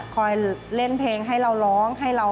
ตื่นขึ้นมาอีกทีตอน๑๐โมงเช้า